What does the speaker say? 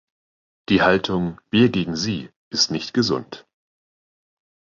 Die Haltung „wir gegen sie“ ist nicht gesund.